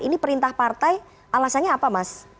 ini perintah partai alasannya apa mas